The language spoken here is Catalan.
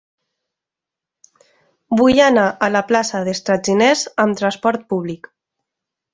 Vull anar a la plaça dels Traginers amb trasport públic.